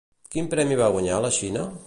Quin premi va guanyar a la Xina?